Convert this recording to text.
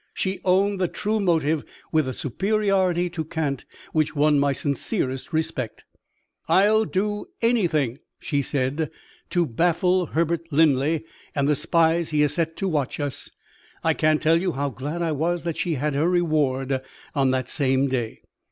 She owned the true motive with a superiority to cant which won my sincerest respect. 'I'll do anything,' she said, 'to baffle Herbert Linley and the spies he has set to watch us.' I can't tell you how glad I was that she had her reward on the same day.